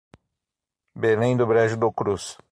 Belém do Brejo do Cruz